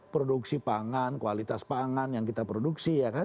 produksi pangan kualitas pangan yang kita produksi